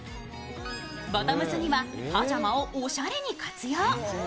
ボトムスにはパジャマをおしゃれに活用。